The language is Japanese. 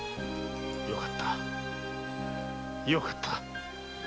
よかったよかった！